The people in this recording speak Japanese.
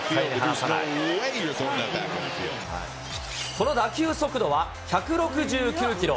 その打球速度は１６９キロ。